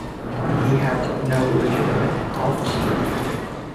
He had no legitimate offspring.